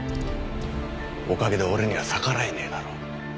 おかげで俺には逆らえねえだろ。